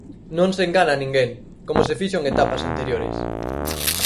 Non se engana a ninguén, como se fixo en etapas anteriores.